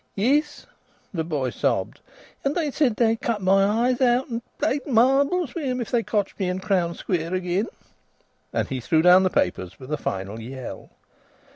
"Yes," the boy sobbed; "and they said they'd cut my eyes out and plee [play] marbles wi' 'em, if they cotched me in Crown Square agen." And he threw down the papers with a final yell.